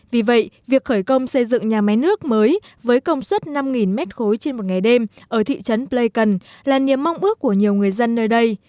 vì vậy việc khởi công xây dựng nhà máy nước mới với công suất năm m ba trên một ngày đêm ở thị trấn pleikon là niềm mong ước của nhiều người dân nơi đây